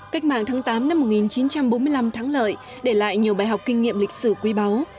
cách mạng tháng tám năm một nghìn chín trăm bốn mươi năm thắng lợi để lại nhiều bài học kinh nghiệm lịch sử quý báu